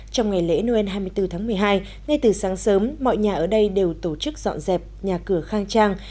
trong ngày lễ noel hai mươi bốn tháng một mươi hai ngay từ sáng sớm mọi nhà ở đây đều tổ chức dọn dẹp nhà cửa khang trang